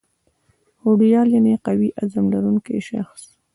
هوډیال یعني قوي عظم لرونکی شخص